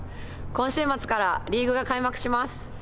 今週末からリーグが開幕します。